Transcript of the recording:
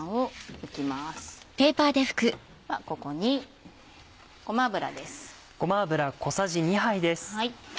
ではここにごま油です。